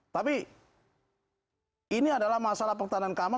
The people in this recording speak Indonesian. tapi ini adalah masalah pertahanan keamanan